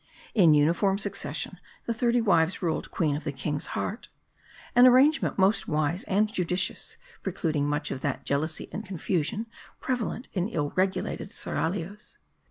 In uniform succession, the thirty wives ruled queen of the king's heart. An arrangement most wise and judicious ; precluding much of that jealousy and confusion prevalent in ill regulated seraglios.